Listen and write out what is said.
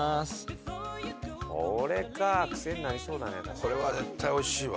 「これは絶対おいしいわ」